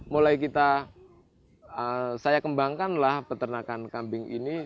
mulai kita saya kembangkanlah peternakan kambing ini